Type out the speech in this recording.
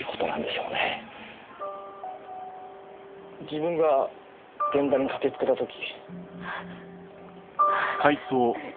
自分が現場に駆けつけた時。